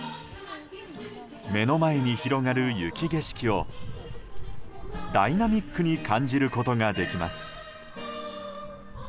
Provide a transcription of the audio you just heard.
目の前に広がる雪景色をダイナミックに感じることができます。